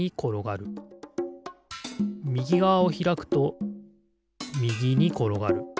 みぎがわをひらくとみぎにころがる。